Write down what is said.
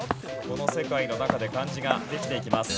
この世界の中で漢字ができていきます。